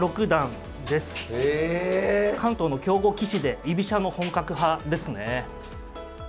関東の強豪棋士で居飛車の本格派ですね。